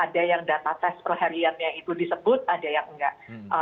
ada yang data tes perhariannya itu disebut ada yang enggak